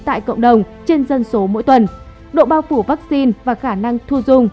tại cộng đồng trên dân số mỗi tuần độ bao phủ vaccine và khả năng thu dung